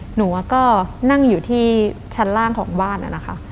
หนูก็นั่งอยู่ที่ชั้นล่างของบ้านนะคะ